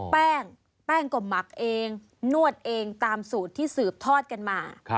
แป้งแป้งก็หมักเองนวดเองตามสูตรที่สืบทอดกันมา